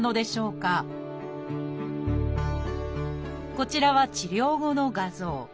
こちらは治療後の画像。